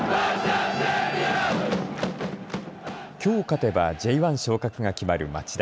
きょう勝てばＪ１昇格が決まる町田。